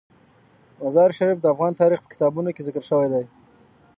مزارشریف د افغان تاریخ په کتابونو کې ذکر شوی دي.